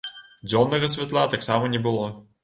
Дзённага святла таксама не было.